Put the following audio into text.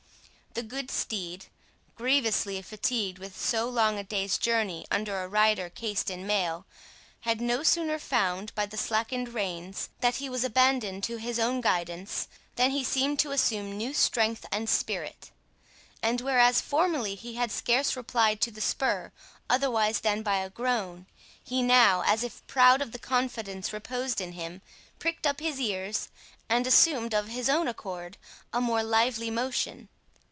The good steed, grievously fatigued with so long a day's journey under a rider cased in mail, had no sooner found, by the slackened reins, that he was abandoned to his own guidance, than he seemed to assume new strength and spirit; and whereas, formerly he had scarce replied to the spur, otherwise than by a groan, he now, as if proud of the confidence reposed in him, pricked up his ears, and assumed, of his own accord, a more lively motion.